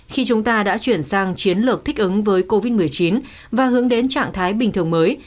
khi chúng ta đã chuyển sang chiến lược thích ứng với covid một mươi chín và hướng đến trạng thái bình thường mới